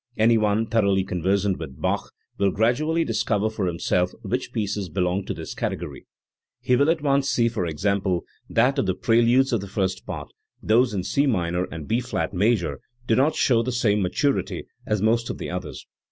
Any one thoroughly conversant with Bach will gradually discover for himself which pieces belong to this category. He will at once see, for example, that of the preludes of the First Part, those in C minor and B flat major do not show the same maturity as most of the others.